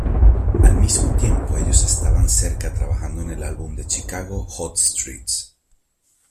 Al mismo tiempo, ellos estaban cerca trabajando en el álbum de Chicago "Hot Streets".